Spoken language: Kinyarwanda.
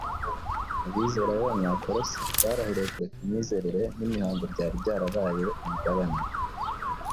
abizera b’Abanyakolosi barahiriye kureka imyizerere n’imihango byari byarabaye umugabane